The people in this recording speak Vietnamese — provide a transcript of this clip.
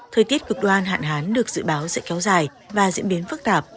thời tiết cực đoan hạn hán được dự báo sẽ kéo dài và diễn biến phức tạp